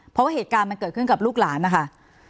เพราะว่าเหตุการณ์มันเกิดขึ้นกับลูกหลานนะคะ